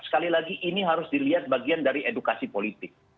sekali lagi ini harus dilihat bagian dari edukasi politik